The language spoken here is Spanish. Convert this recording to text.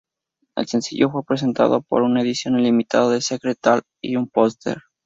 El sencillo fue presentado con una edición limitada con "Secret Talk" y un póster.